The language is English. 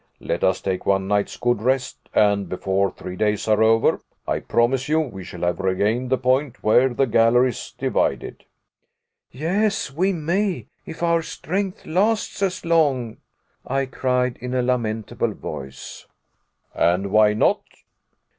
Let us take one night's good rest, and before three days are over, I promise you we shall have regained the point where the galleries divided." "Yes, we may, if our strength lasts as long," I cried, in a lamentable voice. "And why not?"